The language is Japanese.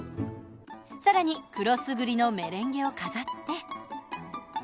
さらにクロスグリのメレンゲを飾って。